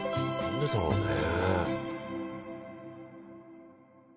何でだろうね。